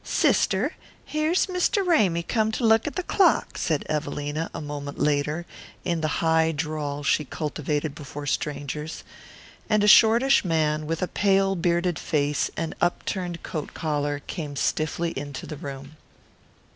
"Sister, here's Mr. Ramy come to look at the clock," said Evelina, a moment later, in the high drawl she cultivated before strangers; and a shortish man with a pale bearded face and upturned coat collar came stiffly into the room.